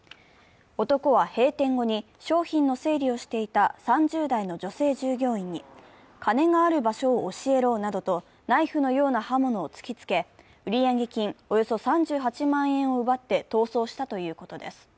男は閉店後に商品の整理をしていた３０代の女性従業員に、金がある場所を教えろなどとナイフのような刃物を突きつけ、売上金およそ３８万円を奪って逃走したということです。